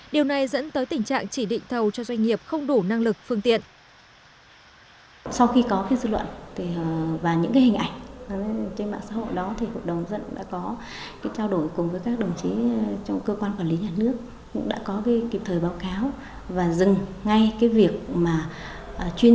điều này dẫn tới tình trạng chỉ định thầu cho doanh nghiệp không đủ năng lực phương tiện